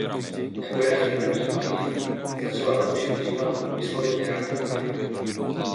Jako jeden z prvních malířů začal rovněž užívat průmyslově vyráběné barvy.